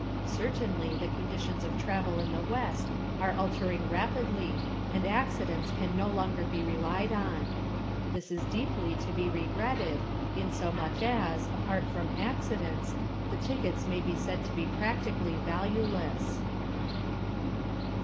Certainly the conditions of travel in the West are altering rapidly and accidents can no longer be relied upon. This is deeply to be regretted, in so much as, apart from accidents, the tickets may be said to be practically valueless.